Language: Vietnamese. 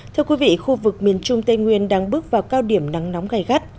thưa quý vị khu vực miền trung tây nguyên đang bước vào cao điểm nắng nóng gai gắt